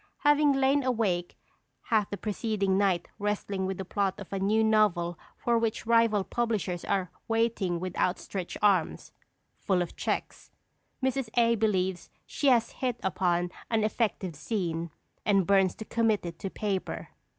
Having lain awake half the preceding night wrestling with the plot of a new novel for which rival publishers are waiting with outstretched hands (full of checks), Mrs. A. believes she has hit upon an effective scene, and burns to commit it to paper.